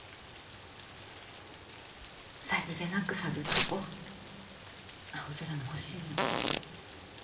さりげなく探っとこう青空の欲しいもん